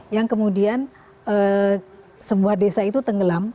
yang kemudian sebuah desa itu tenggelam